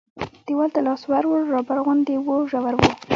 دیوال ته لاس ور ووړ رابر غوندې و ژور و.